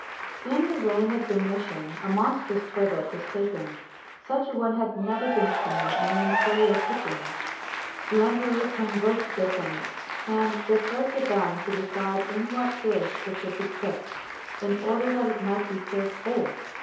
In the reign of Domitian a monstrous turbot was taken; such a one had never been seen in the imperial kitchens.[XXI 97] The emperor convoked the senate, and deferred to them to decide in what dish it should be cooked, in order that it might be served whole.